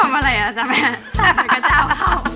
ทำอะไรอ่ะจ๊ะแม่ทำไมกระเจ้าเข้า